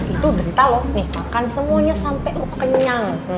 itu denta lo nih makan semuanya sampe lo kenyang